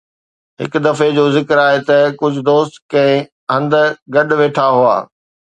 هڪ دفعي جو ذڪر آهي ته ڪجهه دوست ڪنهن هنڌ گڏ ويٺا هئا